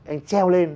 anh treo lên